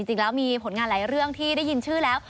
จริงแล้วมีผลงานหลายเรื่องที่ได้ยินชื่อแล้ว